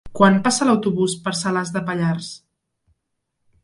Quan passa l'autobús per Salàs de Pallars?